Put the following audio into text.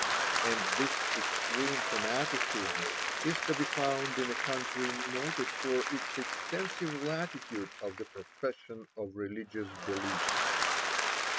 And this extreme fanaticism is to be found in a country noted for its extensive latitude in the profession of religious beliefs.